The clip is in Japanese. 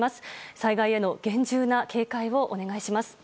災害への厳重な警戒をお願いします。